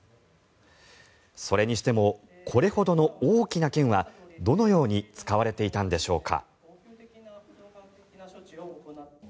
それにしてもこれほどの大きな剣はどのように使われていたのでしょうか。